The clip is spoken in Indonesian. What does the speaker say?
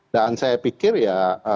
dan saya pikir ya